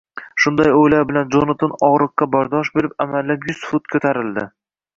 Shunday o‘ylar bilan Jonatan, og‘riqqa bardosh berib, amallab yuz fut ko‘tarildi.